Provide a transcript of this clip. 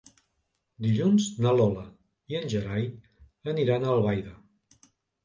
Dilluns na Lola i en Gerai aniran a Albaida.